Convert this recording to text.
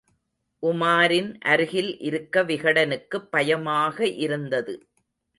உமாரின் அருகில் இருக்க விகடனுக்குப் பயமாக இருந்தது.